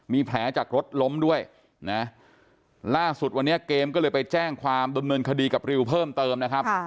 มีแผลจากรถล้มด้วยนะล่าสุดวันนี้เกมก็เลยไปแจ้งความดำเนินคดีกับริวเพิ่มเติมนะครับ